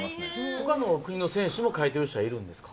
他の選手も書いている人はいるんですか？